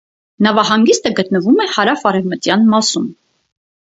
Նավահանգիստը գտնվում է հարավ արևմտյան մասում։